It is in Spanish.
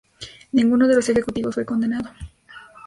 Ninguno de los ejecutivos fue condenado.